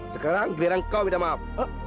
sekarang biarkan kau minta maaf